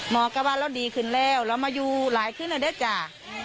มองกลับบ้านแล้วดีขึ้นแล้วแล้วมาอยู่หลายคืนหน่อยด้วยจ้า